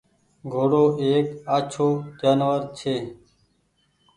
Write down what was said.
گھوڙو ايڪ آڇو جآنور ڇي